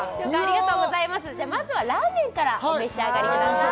まずはラーメンからお召し上がりください